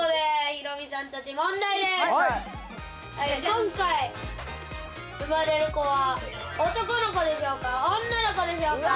今回生まれる子は男の子でしょうか？